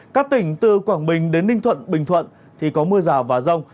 các tỉnh từ quảng bình đến ninh thuận bình thuận thì có mưa rào và rông